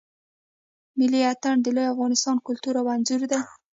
ملی آتڼ د لوی افغانستان کلتور او آنځور دی.